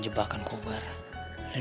oke rupiah kita tengok barang kan